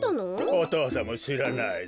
おとうさんもしらないぞ。